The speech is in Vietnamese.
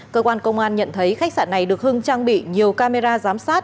cơ quan công an nhận thấy khách sạn này được hưng trang bị nhiều camera giám sát